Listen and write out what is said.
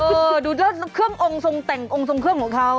ดูแล้วเครื่ององค์ทรงแต่งองค์ทรงเครื่องของเขา